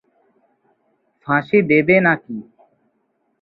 ফাঁসি দেবে না কি?